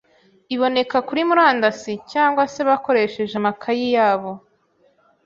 iboneka kuri murandasi, cyangwa se bakoresheje amakayi yabo.